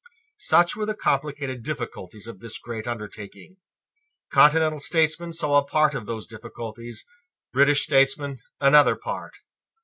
Such were the complicated difficulties of this great undertaking. Continental statesmen saw a part of those difficulties; British statesmen another part.